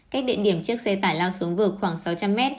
cách định điểm chiếc xe tải lao xuống vực khoảng sáu trăm linh m